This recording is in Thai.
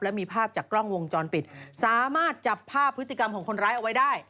มีภาพจากกล้องวงจรปิดสามารถจับภาพพฤติกรรมของคนร้ายเอาไว้ได้